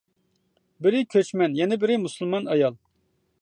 بىرى كۆچمەن، يەنە بىرى مۇسۇلمان ئايال.